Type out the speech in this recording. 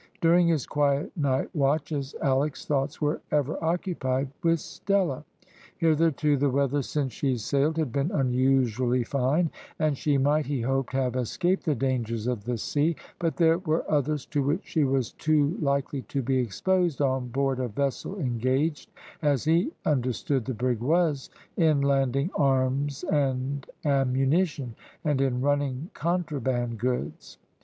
During his quiet night watches Alick's thoughts were ever occupied with Stella. Hitherto the weather since she sailed had been unusually fine, and she might, he hoped, have escaped the dangers of the sea; but there were others to which she was too likely to be exposed on board a vessel engaged, as he understood the brig was, in landing arms and ammunition, and in running contraband goods.